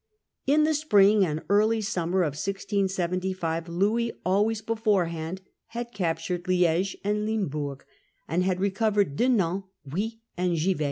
In the spring and early summer of 1675, Louis, always beforehand, had captured Liege and Limbourg, and had recovered Dinant, Huy, and Givet.